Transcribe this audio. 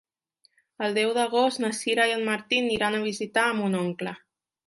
El deu d'agost na Sira i en Martí aniran a visitar mon oncle.